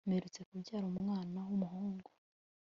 mperutse kubyara umwana w'umuhungu